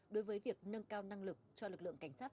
đối với việc nâng cao năng lực cho lực lượng cảnh sát